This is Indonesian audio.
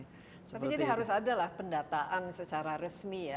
tapi jadi harus ada lah pendataan secara resmi ya